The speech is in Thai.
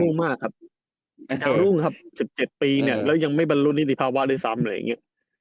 มากครับนะครับรุ่งครับ๑๗ปีเนี่ยแล้วยังไม่บรรลุนิติภาวะด้วยซ้ำอะไรอย่างเงี้ย